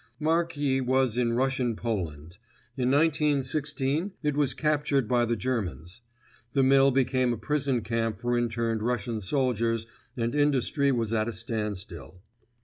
Marki was in Russian Poland. In 1916 it was captured by the Germans. The mill became a prison camp for interned Russian soldiers and industry was at a standstill.